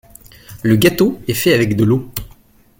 Le gâteau est fait avec de l’eau.